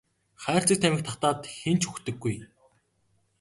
Хайрцаг тамхи татаад хэн ч үхдэггүй.